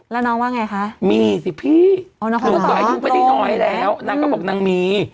แล้วน้องว่าไงคะมีสิพี่หนูก็อายุไม่ได้น้อยแล้วนางก็บอกนางมี